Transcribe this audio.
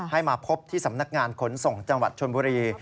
ให้มาพบที่สำนักงานขนส่งจังหวัดชนบุรี